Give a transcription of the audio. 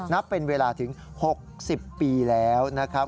นับเป็นเวลาถึง๖๐ปีแล้วนะครับ